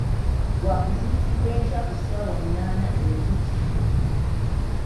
Wakuziikibwa enkya ku ssaawa munaana e Mpigi.